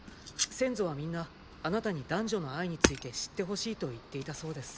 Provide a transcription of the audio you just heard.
先祖はみんなあなたに男女の愛について知ってほしいと言っていたそうです。